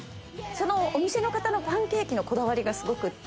お店の方のパンケーキのこだわりがすごくて。